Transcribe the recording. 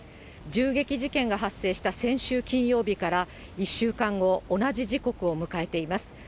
銃撃事件が発生した先週金曜日から１週間後、同じ時刻を迎えています。